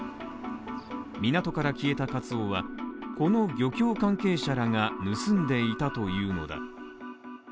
港から消えたカツオは、この漁協関係者らが盗んでいたというのだ。